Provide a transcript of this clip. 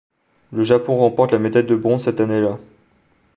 Le Japon remporte la médaille de bronze cette année-là.